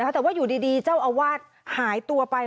แต่ว่าอยู่ดีเจ้าอาวาสหายตัวไป